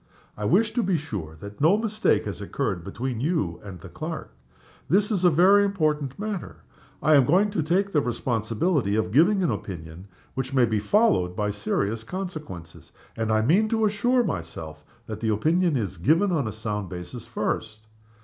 I wish to be sure that no mistake has occurred between you and the clerk. This is a very important matter. I am going to take the responsibility of giving an opinion which may be followed by serious consequences; and I mean to assure myself that the opinion is given on a sound basis, first.